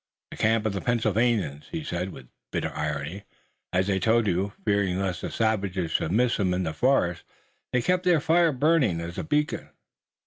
"The camp of the Pennsylvanians," he said with bitter irony. "As I told you, fearing lest the savages should miss 'em in the forest they keep their fire burning as a beacon."